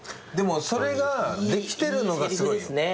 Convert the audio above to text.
でもそれができてるのがすごいよ。